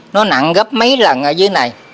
nó nặng gấp mấy lần ở dưới này